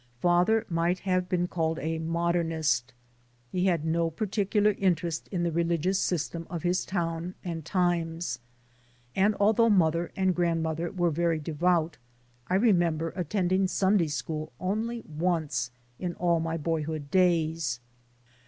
Father might have been called a "modernist." He had no particular interest in the religious system of his town and times, and although mother and grandmother were very devout, I remember attending Sunday School only once in all my boyhood days.